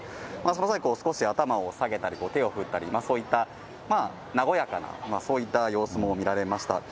その際、少し頭を下げたり、手を振ったり、そういった和やかな、そういった様子も見られました。